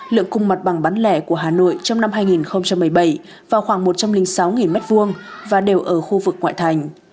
lượng cung mặt bằng bán lẻ của hà nội trong năm hai nghìn một mươi bảy vào khoảng một trăm linh sáu m hai và đều ở khu vực ngoại thành